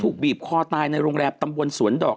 บีบคอตายในโรงแรมตำบลสวนดอก